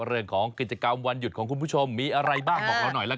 เรื่องของกิจกรรมวันหยุดของคุณผู้ชมมีอะไรบ้างบอกเราหน่อยละกัน